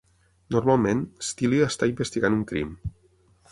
Normalment, Steele està investigant un crim.